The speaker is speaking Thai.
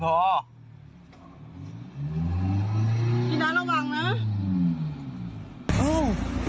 ไม่รู้